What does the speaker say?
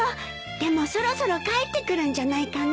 でもそろそろ帰ってくるんじゃないかな。